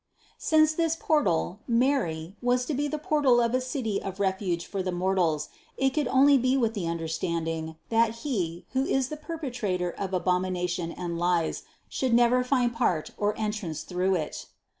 Since this portal, Mary, was to be the portal of a city of refuge for the mortals, it could only be with the understanding, that he, who is the perpetrator of abom ination and lies, should never find part or entrance through it.